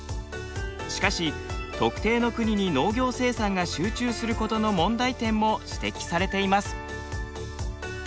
しかし特定の国に農業生産が集中することの問題点も指摘されています。